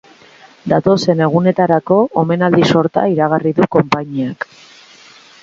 Datozen egunetarako omenaldi-sorta iragarri du konpainiak.